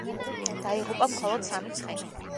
დაიღუპა მხოლოდ სამი ცხენი.